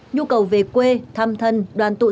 nhu cầu về quê thăm thân đoàn tụ sân